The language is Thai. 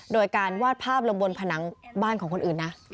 โดยการวาดภาพลงบนผนังบ้านของคนอื่นนะ